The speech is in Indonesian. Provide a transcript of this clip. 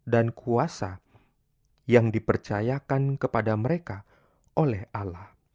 dan kuasa yang dipercayakan kepada mereka oleh allah